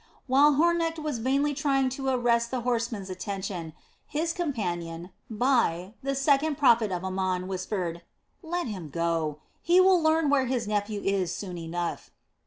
While Hornecht was vainly trying to arrest the horseman's attention, his companion, Bai, the second prophet of Amon, whispered: "Let him go! He will learn where his nephew is soon enough."